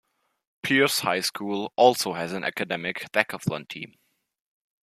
Pearce High School also has an Academic Decathlon team.